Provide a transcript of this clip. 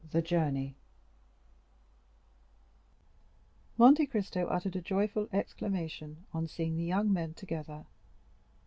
The Journey Monte Cristo uttered a joyful exclamation on seeing the young men together.